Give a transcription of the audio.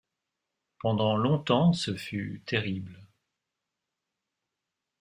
Pendant longtemps ce fut terrible.